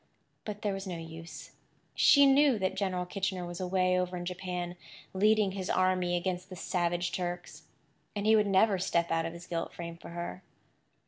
But there was no use. She knew that General Kitchener was away over in Japan, leading his army against the savage Turks; and he would never step out of his gilt frame for her.